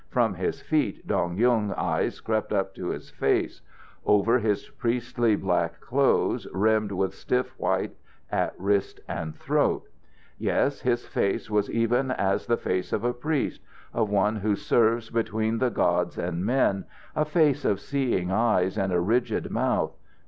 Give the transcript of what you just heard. From his feet Dong Yung's eyes crept up to his face, over his priestly black clothes, rimmed with stiff white at wrist and throat. Yes, his face was even as the face of a priest, of one who serves between the gods and men, a face of seeing eyes and a rigid mouth.